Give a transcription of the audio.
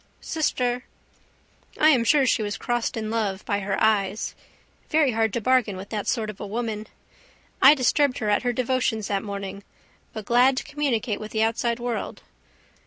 Sister? I am sure she was crossed in love by her eyes. Very hard to bargain with that sort of a woman. I disturbed her at her devotions that morning. But glad to communicate with the outside world.